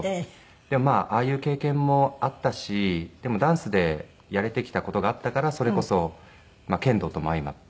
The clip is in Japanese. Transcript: でもああいう経験もあったしでもダンスでやれてきた事があったからそれこそ剣道とも相まって。